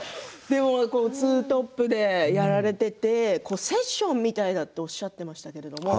ツートップでやられていてセッションみたいだとおっしゃっていましたね。